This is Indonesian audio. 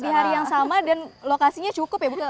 di hari yang sama dan lokasinya cukup ya bu